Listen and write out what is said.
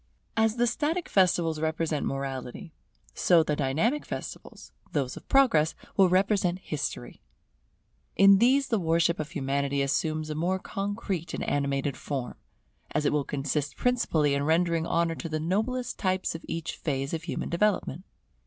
As the static festivals represent Morality, so the dynamic festivals, those of Progress, will represent History. In these the worship of Humanity assumes a more concrete and animated form; as it will consist principally in rendering honour to the noblest types of each phase of human development.